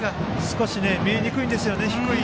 少し見えにくいんですよね